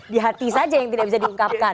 di hati saja yang tidak bisa diungkapkan